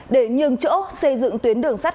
để nhường chỗ xây dựng tuyến đường sắt